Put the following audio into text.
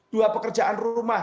dua pekerjaan rumah